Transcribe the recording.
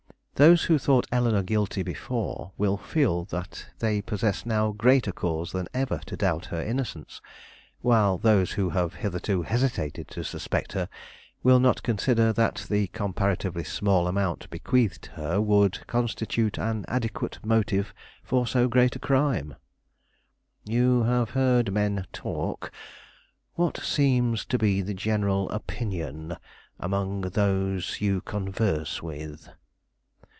Those who thought Eleanore guilty before will feel that they possess now greater cause than ever to doubt her innocence; while those who have hitherto hesitated to suspect her will not consider that the comparatively small amount bequeathed her would constitute an adequate motive for so great a crime." "You have heard men talk; what seems to be the general opinion among those you converse with?"